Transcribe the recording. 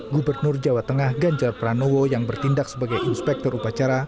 gubernur jawa tengah ganjar pranowo yang bertindak sebagai inspektor upacara